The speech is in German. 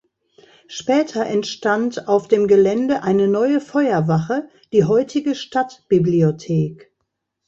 Später entstand auf dem Gelände eine neue Feuerwache, die heutige Stadtbibliothek.